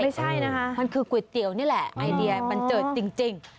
ไม่ใช่นะคะมันคือก๋วยเตี๋ยวนี่แหละไอเดียบันเจิดจริง